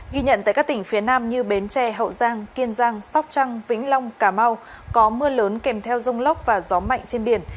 ghi nhận tại các tỉnh phía nam như bến tre hậu giang kiên giang sóc trăng vĩnh long cà mau có mưa lớn kèm theo rông lốc và gió mạnh trên biển